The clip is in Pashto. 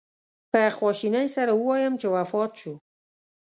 په خواشینۍ سره ووایم چې وفات شو.